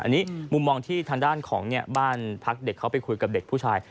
อันนี้มุมมองที่ทางด้านของบ้านพักเด็กเขาไปคุยกับเด็กผู้ชาย